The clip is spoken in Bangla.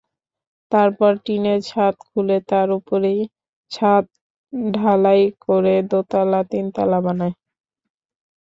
তারপর টিনের ছাদ খুলে তার ওপরেই ছাদ ঢালাই করে দোতলা-তিনতলা বানায়।